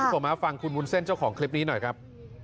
คุณผู้ชมฟังคุณวุ้นเส้นเจ้าของคลิปนี้หน่อยครับ